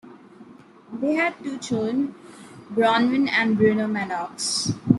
They had two children, Bronwen and Bruno Maddox.